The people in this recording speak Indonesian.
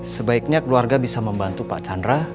sebaiknya keluarga bisa membantu pak chandra